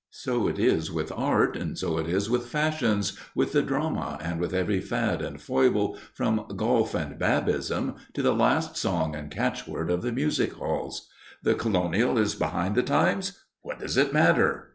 So it is with art, so it is with fashions, with the drama and with every fad and foible, from golf and Babism to the last song and catchword of the music halls. The colonial is behind the times? What does it matter!